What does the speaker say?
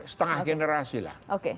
setengah generasi lah oke